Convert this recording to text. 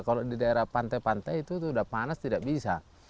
kalau di daerah pantai pantai itu sudah panas tidak bisa